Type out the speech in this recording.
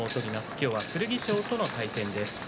今日は剣翔との対戦です。